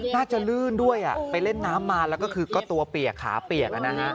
ลื่นด้วยไปเล่นน้ำมาแล้วก็คือก็ตัวเปียกขาเปียก